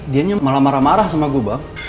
dianya malah marah marah sama gue bang